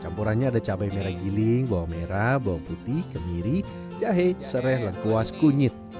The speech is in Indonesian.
campurannya ada cabai merah giling bawang merah bawang putih kemiri jahe serai lengkuas kunyit